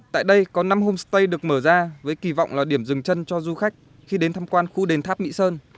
tại đây có năm homestay được mở ra với kỳ vọng là điểm dừng chân cho du khách khi đến thăm quan khu đền tháp mỹ sơn